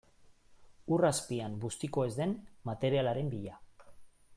Ur azpian bustiko ez den materialaren bila.